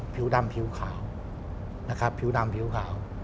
ผิวดำผิวขาวนะครับผิวดำผิวขาว